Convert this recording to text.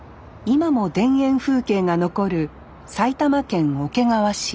今も田園風景が残る埼玉県桶川市。